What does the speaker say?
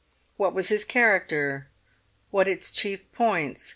What was his character? what its chief points?